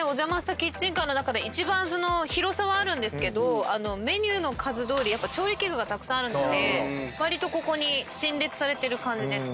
キッチンカーの中で一番広さはあるんですけどメニューの数どおりやっぱ調理器具がたくさんあるのでわりとここに陳列されてる感じですね。